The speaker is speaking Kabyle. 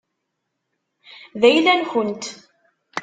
D ayla-nkent.